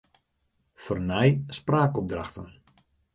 Fernij spraakopdrachten.